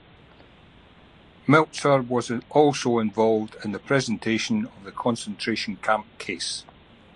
Meltzer was also involved in the presentation of the concentration camp case.